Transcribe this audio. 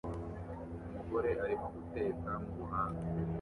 Umugore arimo guteka mubuhanga